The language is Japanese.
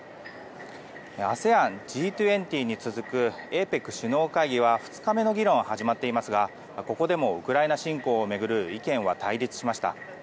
ＡＳＥＡＮ、Ｇ２０に続くＡＰＥＣ首脳会議は２日目の議論が始まっていますがここでもウクライナ侵攻を巡る意見は対立しました。